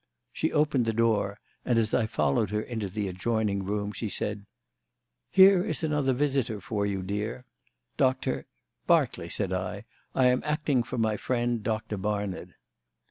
She opened the door and, as I followed her into the adjoining room, she said: "Here is another visitor for you, dear. Doctor " "Berkeley," said I. "I am acting for my friend Doctor Barnard."